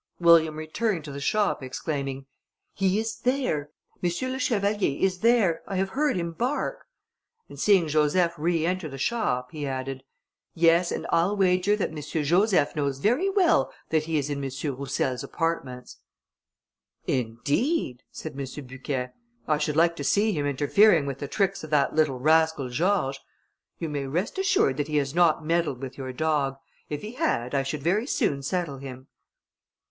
William returned to the shop, exclaiming, "He is there; M. le Chevalier is there. I have heard him bark;" and seeing Joseph re enter the shop, he added, "Yes, and I'll wager that M. Joseph knows very well that he is in M. Roussel's apartments." "Indeed!" said M. Bucquet, "I should like to see him interfering with the tricks of that little rascal George. You may rest assured that he has not meddled with your dog. If he had, I should very soon settle him."